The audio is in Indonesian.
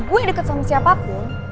gue deket sama siapapun